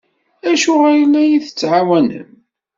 Acuɣer i la iyi-tettɛawanem?